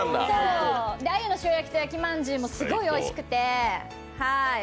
あゆの塩焼きと焼きんじゅうもすごいおいしくて。